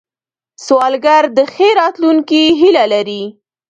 سوالګر د ښې راتلونکې هیله لري